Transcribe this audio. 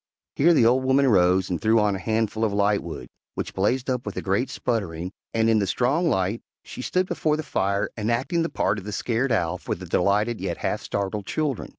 Here the old woman rose and threw on a handful of lightwood, which blazed up with a great sputtering, and in the strong light she stood before the fire enacting the part of the scared Owl for the delighted yet half startled children.